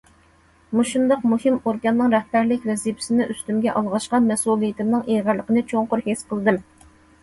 مۇشۇنداق مۇھىم ئورگاننىڭ رەھبەرلىك ۋەزىپىسىنى ئۈستۈمگە ئالغاچقا، مەسئۇلىيىتىمنىڭ ئېغىرلىقىنى چوڭقۇر ھېس قىلدىم.